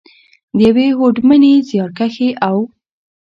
، د یوې هوډمنې، زیارکښې او .